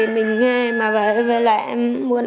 mình nghe vậy là em muốn